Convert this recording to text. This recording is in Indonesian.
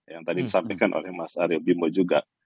yang tadi disampaikan oleh mas aryo bimo juga